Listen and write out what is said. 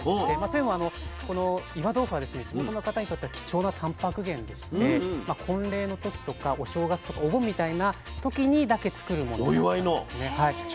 というのはこの岩豆腐は地元の方にとっては貴重なたんぱく源でして婚礼の時とかお正月とかお盆みたいな時にだけ作るものなんですね。